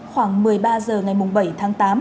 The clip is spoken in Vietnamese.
khoảng một mươi ba h ngày bảy tháng tám